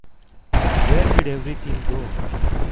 Where did everything go?